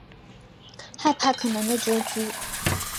害怕可能的结局